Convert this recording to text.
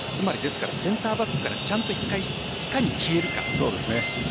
センターバックからちゃんといかに消えるか。